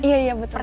iya iya betul betul